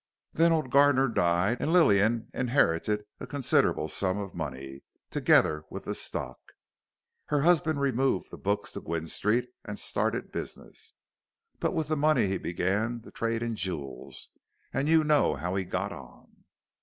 Then old Garner died, and Lillian inherited a considerable sum of money, together with the stock. Her husband removed the books to Gwynne Street and started business. But with the money he began to trade in jewels, and you know how he got on."